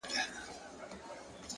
د زړې دروازې زنګ تل یو ډول داستان لري!